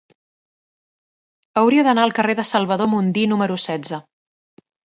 Hauria d'anar al carrer de Salvador Mundí número setze.